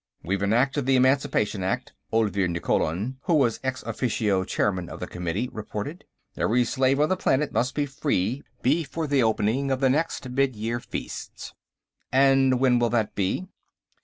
"We've enacted the Emancipation Act," Olvir Nikkolon, who was ex officio chairman of the committee, reported. "Every slave on the planet must be free before the opening of the next Midyear Feasts." "And when will that be?"